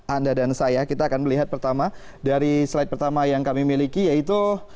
anda dan saya kita akan melihat pertama dari slide pertama yang kami miliki yaitu